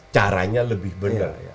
caranya lebih benar